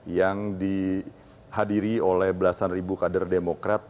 yang dihadiri oleh belasan ribu kader demokrat